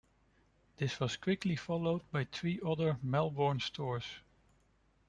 This was quickly followed by three other Melbourne stores.